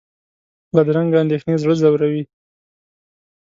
بدرنګه اندېښنې زړه ځوروي